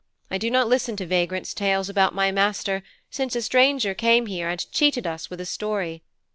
'I do not listen to vagrant's tales about my master since a stranger came here and cheated us with a story.